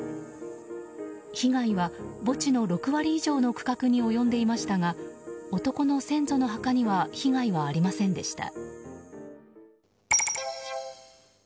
被害は墓地の６割以上の区画に及んでいましたが男の先祖の墓には被害はありませんでした。